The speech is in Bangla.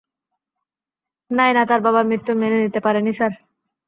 নায়না তার বাবার মৃত্যুর মেনে নিতে পারেনি, স্যার।